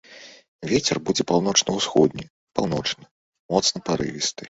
Вецер будзе паўночна-ўсходні, паўночны, моцны парывісты.